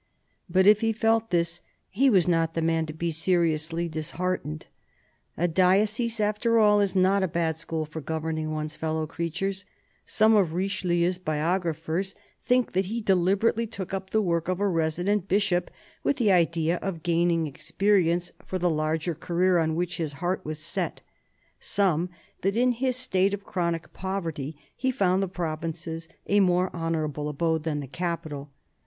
But if he felt this, he was not the man to be seriously disheartened. A diocese, after all, is not a bad school for governing one's fellow creatures. Some of Richelieu's biographers think that he deliberately took up the work of a resident bishop with the idea of gaining experience for the larger career on which his heart was set : some, that in his state of chronic poverty he found the provinces a more honourable abode than the capital.